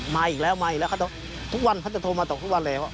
มาอีกแล้วมาอีกแล้วทุกวันเขาจะโทรมาต่อทุกวันแล้ว